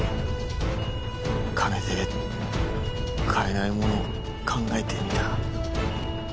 金で買えないものを考えてみた。